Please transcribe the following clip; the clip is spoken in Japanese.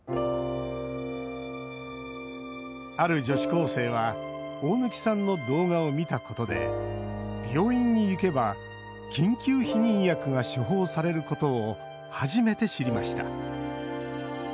ある女子高生は大貫さんの動画を見たことで病院に行けば緊急避妊薬が処方されることを初めて知りました。